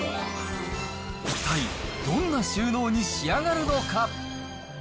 一体どんな収納に仕上がるのか。